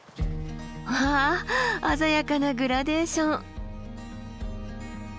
わあ鮮やかなグラデーション。